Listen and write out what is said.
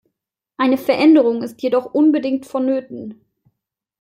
Eine Veränderung ist jedoch unbedingt vonnöten.